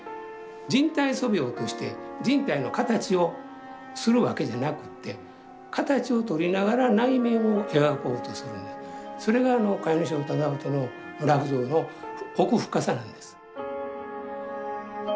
人体素描として人体の形をするわけじゃなくって形をとりながら内面を描こうとするそれが甲斐荘楠音の裸婦像の奥深さなんです。